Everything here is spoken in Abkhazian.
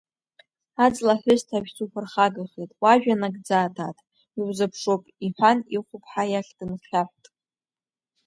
Аҵлаҳәысҭажә суԥырхагахеит, уажәа нагӡа, дад, иузыԥшуп, — иҳәан, ихәыԥҳа иахь дынхьаҳәт.